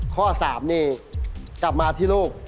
ข้อ๓นี่กลับมาที่ลูก